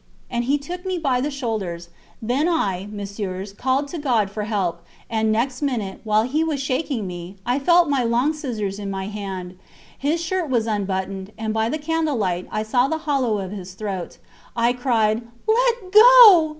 And he took me by the shoulders. Then I, Messieurs, called to God for help, and next minute, while he was shaking me, I felt my long scissors in my hand. His shirt was unbuttoned, and, by the candle light, I saw the hollow of his throat. I cried: Let go!